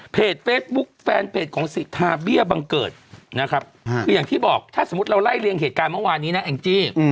เฟซบุ๊คแฟนเพจของสิทธาเบี้ยบังเกิดนะครับคืออย่างที่บอกถ้าสมมุติเราไล่เรียงเหตุการณ์เมื่อวานนี้นะแองจี้